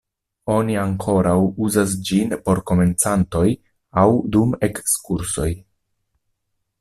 Oni ankoraŭ uzas ĝin por komencantoj aŭ dum ekskursoj.